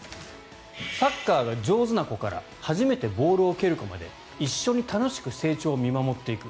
サッカーが上手な子から初めてボールを蹴る子まで一緒に楽しく成長を見守っていく。